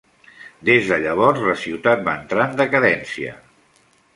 Des de llavors la ciutat va entrar en decadència.